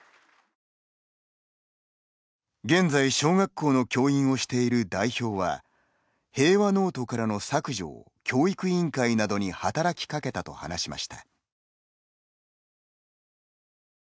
現在小学校の教員をしている代表は平和ノートからの削除を教育委員会などに働きかけたと話しました。